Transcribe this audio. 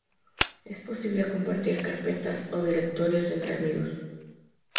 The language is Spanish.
Es posible compartir carpetas o directorios entre amigos.